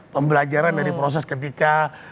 pembelajaran dari proses ketika